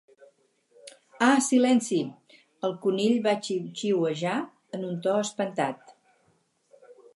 "Ah, silenci!", el conill va xiuxiuejar en un to espantat.